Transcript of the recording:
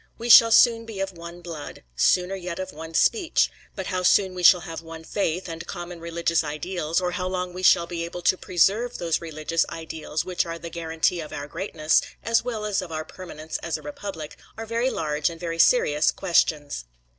We shall soon be of one blood sooner yet of one speech; but how soon we shall have one faith, and common religious ideals, or how long we shall be able to preserve those religious ideals which are the guarantee of our greatness, as well as of our permanence as a republic, are very large and very serious questions.